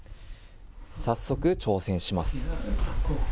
早速、挑戦します。